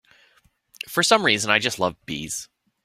For some reason I just love bees.